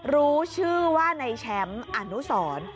รู้ชื่อว่าในแชมป์อนุสร